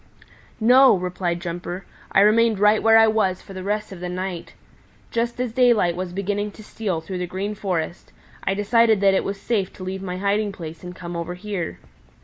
"No," replied Jumper. "I remained right where I was for the rest of the night. Just as daylight was beginning to steal through the Green Forest, I decided that it was safe to leave my hiding place and come over here.